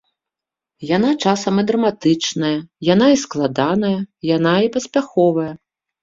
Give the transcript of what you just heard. Яна часам і драматычная, яна і складаная, яна і паспяховая.